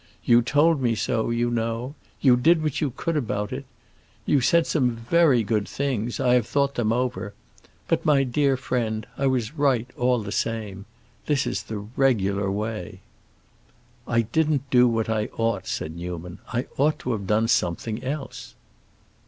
You told me so, you know. You did what you could about it. You said some very good things; I have thought them over. But, my dear friend, I was right, all the same. This is the regular way." "I didn't do what I ought," said Newman. "I ought to have done something else."